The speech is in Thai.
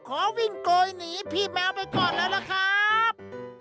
ขอวิ่งโกยหนีพี่แมวไปก่อนเลยล่ะครับ